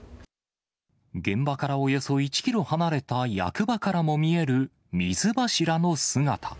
現場からおよそ１キロ離れた役場からも見える、水柱の姿。